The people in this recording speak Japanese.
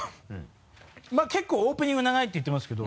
まぁ結構オープニング長いって言ってますけど。